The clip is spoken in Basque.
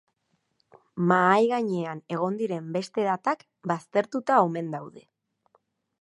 Mahai gainean egon diren beste datak baztertuta omen daude.